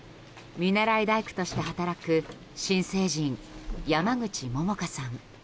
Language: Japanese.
見習大工として働く新成人山口桃加さん。